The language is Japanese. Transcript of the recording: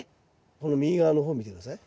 この右側の方見て下さい。